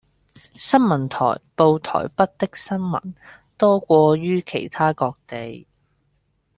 新聞台報台北的新聞多過於其他各地